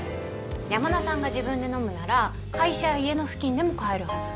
山田さんが自分で飲むなら会社や家の付近でも買えるはず。